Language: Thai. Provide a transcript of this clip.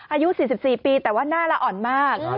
อายุ๔๔ปีแต่ว่าหน้าละอ่อนมาก